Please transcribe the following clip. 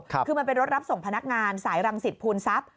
คือมันเป็นรถรับส่งพนักงานสายรังสิตภูนทรัพย์